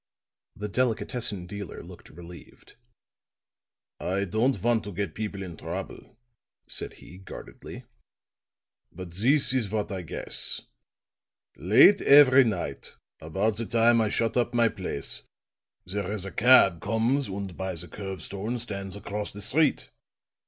The delicatessen dealer looked relieved. "I don't want to get people in trouble," said he, guardedly. "But this is what I guess. Late every night, about the time I shut up my place, there is a cab comes und by the curbstone stands across the street.